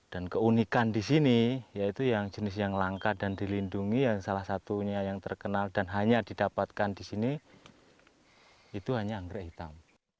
dan keunikan di sini yaitu jenis yang langka dan dilindungi yang salah satunya yang terkenal dan hanya didapatkan di sini itu hanya anggrek hitam